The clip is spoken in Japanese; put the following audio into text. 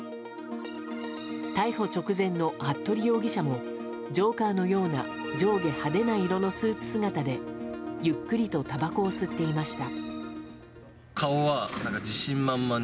逮捕直前の服部容疑者もジョーカーのような上下派手な色のスーツ姿でゆっくりとたばこを吸っていました。